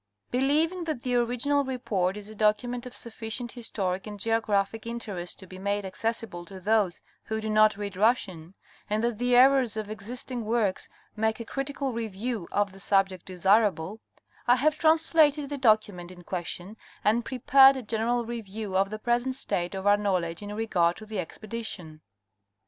Believing that the original report is a document of sufficient historic and geographic interest to be made accessible to those who do not read Russian, and thatthe errors of existing works make a critical review of the subject desirable, I have translated the document in question and prepared a general review of the present state of our knowledge in regard to the expedition.